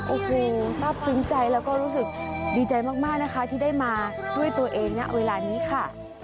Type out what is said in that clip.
โอ้โหทราบซึ้งใจแล้วก็รู้สึกดีใจมากนะคะที่ได้มาด้วยตัวเองณเวลานี้ค่ะ